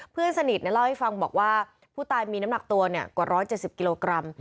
เพื่อนสนิทเล่าให้ฟังบอกว่าผู้ตายมีน้ำหนักตัวกว่า๑๗๐กิโลกรัม